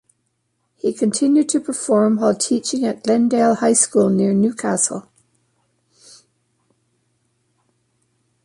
He continued to perform while teaching at Glendale High School near Newcastle.